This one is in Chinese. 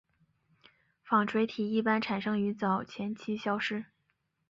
纺锤体一般产生于早前期消失。